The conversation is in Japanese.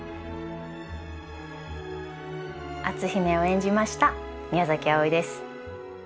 篤姫を演じました宮あおいです。